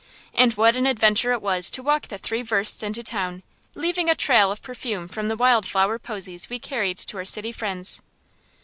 And what an adventure it was to walk the three versts into town, leaving a trail of perfume from the wild flower posies we carried to our city friends!